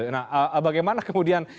nah bagaimana kemudian